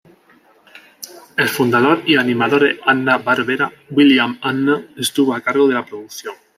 El fundador y animador de Hanna-Barbera, William Hanna, estuvo a cargo de la producción.